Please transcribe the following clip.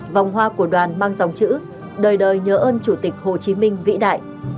vòng hoa của đoàn mang dòng chữ đời đời nhớ ơn chủ tịch hồ chí minh vĩ đại